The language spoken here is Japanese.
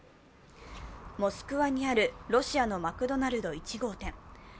モスクワにあるロシアのマクドナルド１号店。